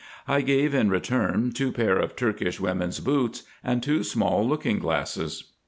I gave in return two pair of Turkish women's boots, and two small looking glasses.